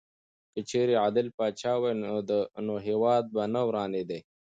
که چېرې عادل پاچا وای نو هېواد به نه ورانېدی.